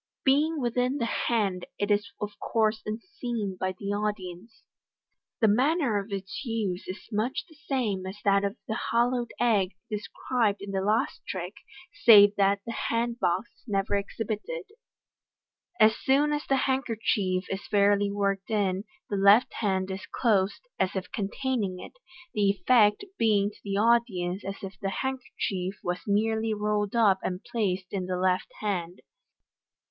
Being within the hand, it is of conrse unseen by the audience The manner of its use is much the same as that of the hollow egg Fig. 115. t64 MODERN MAGIC, described in the last trick, save that the hand box is never exhibited. As soon as the handkerchief is fairly worked in, the left hand is closed, as if containing it j the effect being to the audience as if the handkerchief was merely rolled up and placed in the left hand.